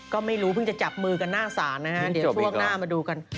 ก็ไม่รู้เพิ่งจะจับมือกันหน้าศาลนะฮะเดี๋ยวช่วงหน้ามาดูกัน